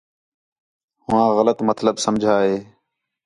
ہوآں غلط مطلب سمجھا ہِے